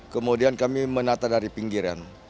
kemudian kami menata dari pinggiran